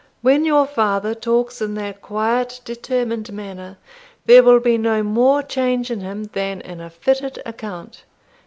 When your father talks in that quiet determined manner, there will be no more change in him than in a fitted account."